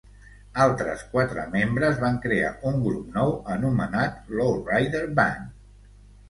Altres quatre membres van crear un grup nou anomenat Lowrider Band.